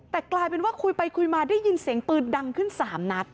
แต่กลายเป็นว่าคุยไปคุยมาได้ยินเสียงปืนดังขึ้น๓นัด